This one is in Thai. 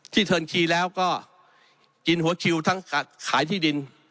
เทิร์นคีย์แล้วก็กินหัวคิวทั้งขายที่ดิน